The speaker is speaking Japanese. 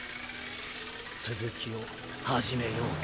続きを始めようか。